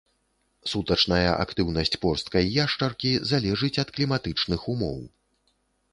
Сутачная актыўнасць порсткай яшчаркі залежыць ад кліматычных умоў.